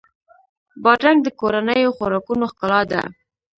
بادرنګ د کورنیو خوراکونو ښکلا ده.